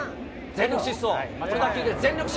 全力疾走。